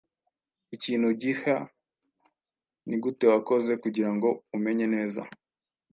ikintu gihya Nigute wakoze kugirango umenye neza